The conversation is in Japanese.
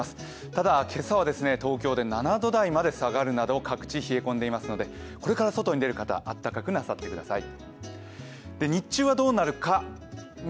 ただ今朝は東京で７度台まで下がるなど各地、冷え込んでいますのでこれから外に出る方、あったかくなさってください。